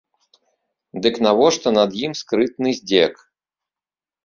Дык навошта над ім скрытны здзек?